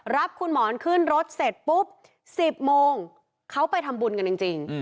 รับคุณหมอนขึ้นรถเสร็จปุ๊บ๑๐โมงเขาไปทำบุญกันจริง